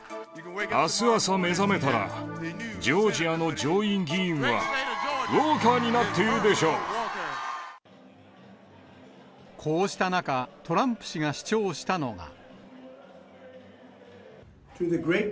あす朝目覚めたら、ジョージアの上院議員は、ウォーカーになってこうした中、トランプ氏が主張したのが。